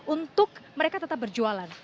untuk mereka tetap berjualan